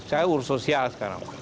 saya urus sosial sekarang